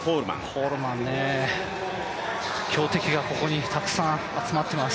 コールマンね、強敵がここにたくさん集まっています。